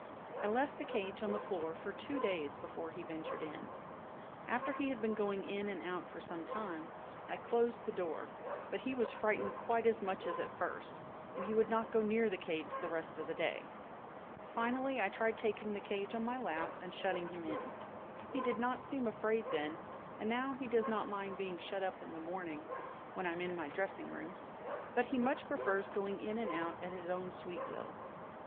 I left the cage on the floor for two days before he ventured in. After he had been going in and out for some time, I closed the door, but he was frightened quite as much as at first, and he would not go near the cage the rest of the day. Finally I tried taking the cage on my lap and shutting him in; he did not seem afraid then and now he does not mind being shut up in the morning when I am in my dressing room, but he much prefers going in and out at his own sweet will.